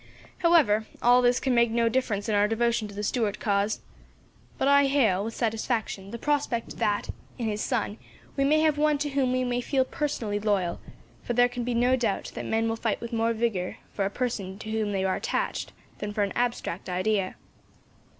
"However, all this can make no difference in our devotion to the Stuart cause. But I hail, with satisfaction, the prospect that, in his son, we may have one to whom we may feel personally loyal; for there can be no doubt that men will fight with more vigour, for a person to whom they are attached, than for an abstract idea."